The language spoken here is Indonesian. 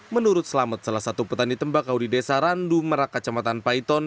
menurut selamat salah satu petani tembakau di desa randu merak kecamatan paiton